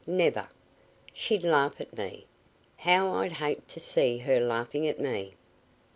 Never! She'd laugh at me! How I'd hate to see her laughing at me!"